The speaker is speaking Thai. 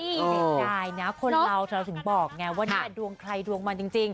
เสียดายนะคนเราเราถึงบอกไงว่าเนี่ยดวงใครดวงมันจริง